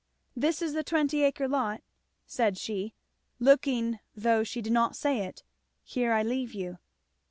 This is the twenty acre lot," said she, looking though she did not say it, "Here I leave you."